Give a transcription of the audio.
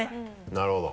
なるほど。